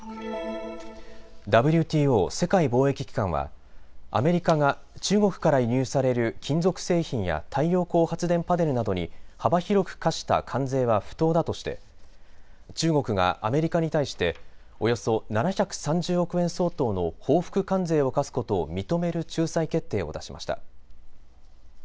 ＷＴＯ・世界貿易機関はアメリカが中国から輸入される金属製品や太陽光発電パネルなどに幅広く課した関税は不当だとして中国がアメリカに対しておよそ７３０億円相当の報復関税を課すことを認める仲裁決定を出しました。